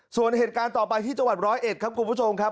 ส่วนเหตุการณ์ต่อไปที่จังหวัดร้อยเอ็ดครับคุณผู้ชมครับ